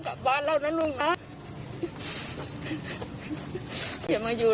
กลับบ้านนะลูกกลับไปกับแม่นะลูก